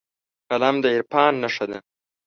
قلم د عرفان نښه ده